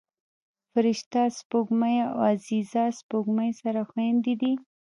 فرشته سپوږمۍ او عزیزه سپوږمۍ سره خویندې دي